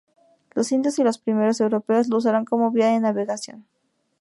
Los indios y los primeros europeos lo usaron como vía de navegación.